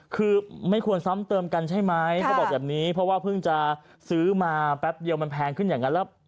คือไม่ควรซ้ำเติมกันใช่ไหมเขาบอกแบบนี้เพราะว่าเพิ่งจะซื้อมาแป๊บเดียวมันแพงขึ้นอย่างนั้นแล้ว